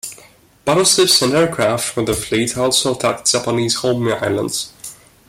Battleships and aircraft from the fleet also attacked the Japanese home islands.